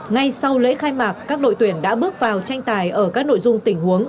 ngay sau lễ khai mạc các đội tuyển đã bước vào tranh tài ở các nội dung tình huống